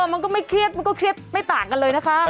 มันก็ไม่เครียดมันก็เครียดไม่ต่างกันเลยนะคะ